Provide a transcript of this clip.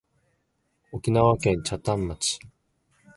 沖縄県北谷町